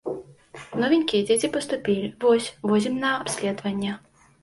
Новенькія дзеці паступілі, вось, возім на абследаванне.